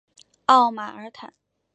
奥马尔坦。